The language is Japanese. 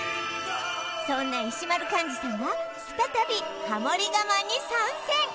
そんな石丸幹二さんは再びハモリ我慢に参戦